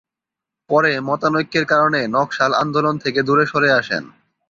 পরে মতানৈক্যের কারণে নকশাল আন্দোলন থেকে দূরে সরে আসেন।